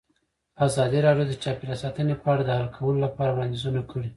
ازادي راډیو د چاپیریال ساتنه په اړه د حل کولو لپاره وړاندیزونه کړي.